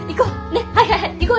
ねっはいはいはい。